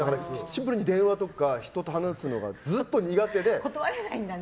シンプルに電話とか人と話すのがずっと苦手で。